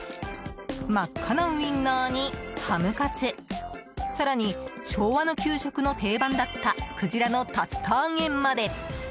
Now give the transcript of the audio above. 真っ赤なウインナーにハムカツ更に、昭和の給食の定番だったクジラの竜田揚げまで。